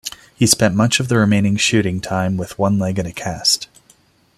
He spent much of the remaining shooting time with one leg in a cast.